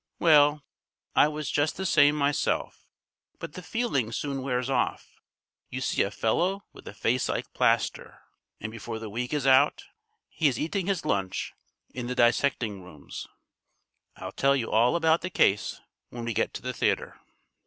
"Well, I was just the same myself. But the feeling soon wears off. You see a fellow with a face like plaster, and before the week is out he is eating his lunch in the dissecting rooms. I'll tell you all about the case when we get to the theatre."